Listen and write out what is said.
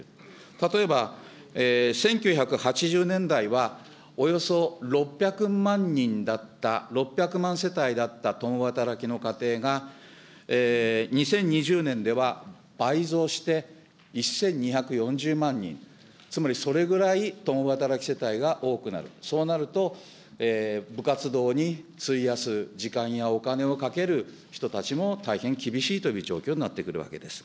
例えば１９８０年代は、およそ６００万人だった、６００万世帯だった共働きの家庭が、２０２０年では倍増して１２４０万人、つまりそれぐらい共働き世帯が多くなる、そうなると、部活動に費やす時間やお金をかける人たちも大変厳しいという状況になってくるわけです。